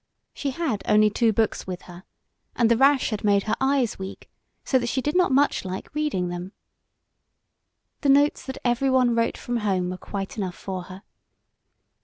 She had only two books with her, and the rash had made her eyes weak, so that she did not much like reading them. The notes that every one wrote from home were quite enough for her.